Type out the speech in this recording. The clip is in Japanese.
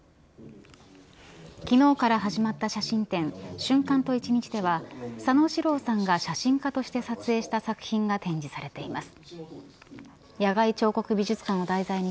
昨日から始まった写真展瞬間と一日では佐野史郎さんが写真家として撮影した作品が展示されています。